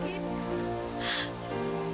kamu jadi lagi